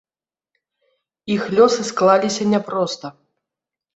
Іх лёсы склаліся няпроста.